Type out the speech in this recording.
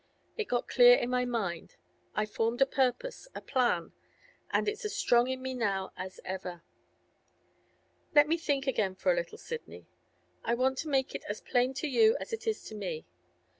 It got clear in my mind; I formed a purpose, a plan, and it's as strong in me now as ever. Let me think again for a little, Sidney. I want to make it as plain to you as it is to me.